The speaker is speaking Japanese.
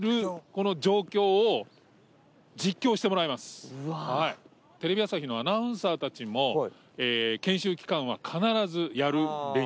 これから藤原にはテレビ朝日のアナウンサーたちも研修期間は必ずやる練習。